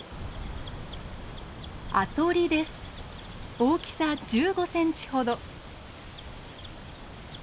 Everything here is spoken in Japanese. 大きさ１５センチほど。